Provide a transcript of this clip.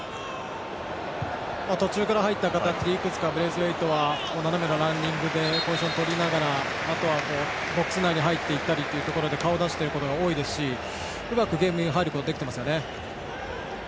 途中から入った形でいくつかブレイスウェイトは斜めのランニングでポジションを取りながらあとはボックス内に入っていったりということで顔を出すことが多いですしうまくゲームに入ることができてますね。